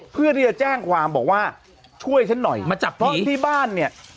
เพื่อที่จะแจ้งความบอกว่าช่วยฉันหน่อยมาจับผมที่บ้านเนี่ย